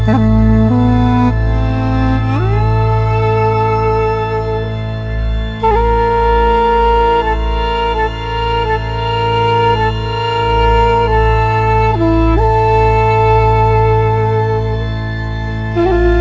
aku sudah selesai